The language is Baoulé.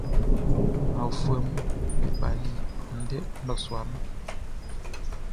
Aofuɛʼm be bali andɛ ndɔsua nun.